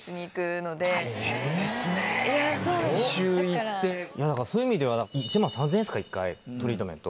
そういう意味では１万３０００円ですか１回トリートメント。